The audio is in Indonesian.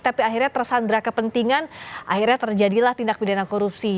tapi akhirnya tersandra kepentingan akhirnya terjadilah tindak pidana korupsi